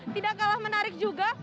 tidak kalah menarik juga